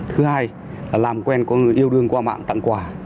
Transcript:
thứ hai là làm quen có người yêu đương qua mạng tặng quà